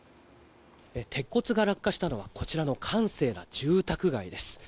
鉄骨が落下したのはこちらの閑静な住宅街です。